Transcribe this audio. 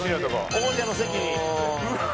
王者の席に。